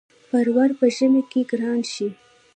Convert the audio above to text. پروړ په ژمی کی ګران شی.